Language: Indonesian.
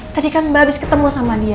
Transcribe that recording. tadi kan mbak habis ketemu sama dia